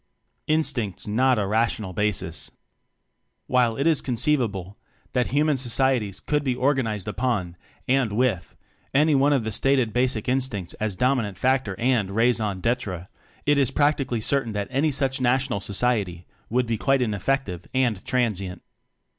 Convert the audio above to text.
Instincts Not A Rational Basis. While it is conceivable that human societies could be organized upon and with any one of the stated basic In stincts as dominant factor and raison d'etre; it is practically certain that any such national society would be quite ineffective, and transient.